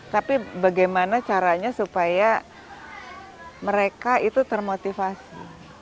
tapi bagaimana caranya supaya mereka itu termotivasi